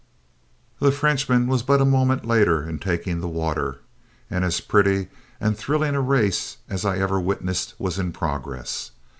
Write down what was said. The Frenchman was but a moment later in taking the water, and as pretty and thrilling a race as I ever witnessed was in progress.